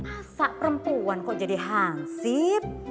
asal perempuan kok jadi hansip